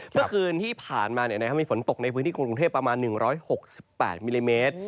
เมื่อคืนที่ผ่านมาเนี่ยนะครับมีฝนตกในพื้นที่กรุงกรุงเทพฯประมาณ๑๖๘มิลลิเมตร